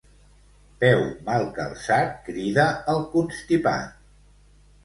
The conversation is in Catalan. Peu mal calçat crida el constipat.